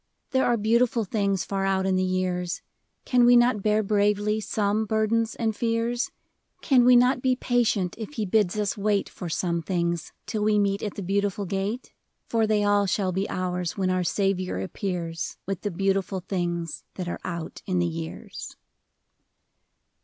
There are beautiful things far out in the years ; Can we not bear bravely some burdens and fears ? Can we not be patient if He bids us wait For some things, till we meet at the Beautiful Gate ? For they all shall be ours when our Saviour appears With the beautiful things that are out in the years.